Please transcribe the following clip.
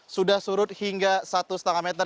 sudah surut hingga satu lima meter